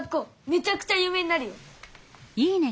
めちゃくちゃゆう名になるよ！